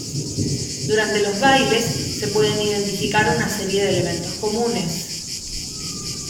Durante los bailes se pueden identificar una serie de elementos comunes.